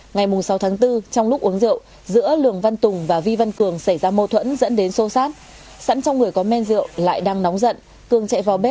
ngày sáu tháng bốn trong lúc uống rượu giữa lường văn tùng và vi văn cường xảy ra mâu thuẫn dẫn đến sâu sát